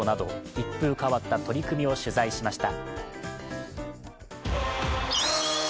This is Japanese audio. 一風変わった取り組みを取材しました。